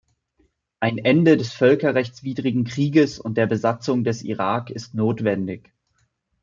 Ein Ende des völkerrechtswidrigen Krieges und der Besatzung des Irak ist notwendig.